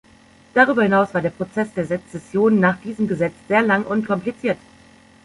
Darüber hinaus war der Prozess der Sezession nach diesem Gesetz sehr lang und kompliziert.